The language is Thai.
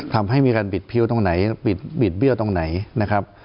ทำให้มีการบิดเพี้ยวตรงไหนบิดเบี้ยวตรงไหนนะครับ